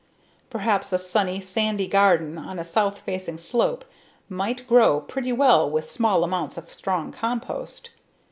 Perhaps a sunny, sandy garden on a south facing slope might grow pretty well with small amounts of strong compost.